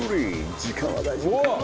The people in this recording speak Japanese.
時間は大丈夫か？